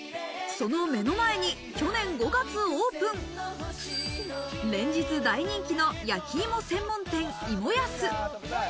その目の前に去年５月オープン、連日大人気の焼き芋専門店芋やす。